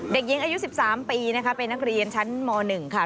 เด็กหญิงอายุ๑๓ปีนะคะเป็นนักเรียนชั้นม๑ค่ะ